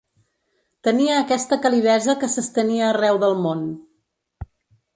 Tenia aquesta calidesa que s’estenia arreu del món.